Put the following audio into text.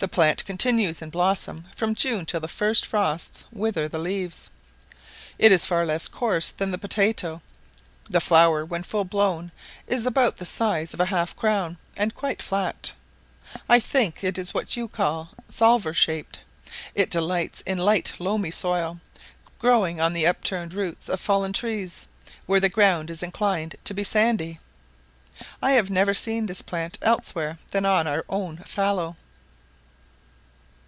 The plant continues in blossom from June till the first frosts wither the leaves; it is far less coarse than the potatoe; the flower, when full blown, is about the size of a half crown, and quite flat; I think it is what you call salver shaped: it delights in light loamy soil, growing on the upturned roots of fallen trees, where the ground is inclined to be sandy. I have never seen this plant elsewhere than on our own fallow.